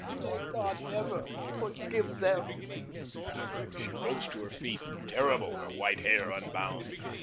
May God never forgive them." She rose to her feet, terrible, her white hair unbound.